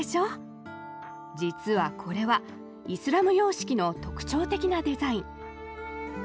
実はこれはイスラム様式の特徴的なデザイン。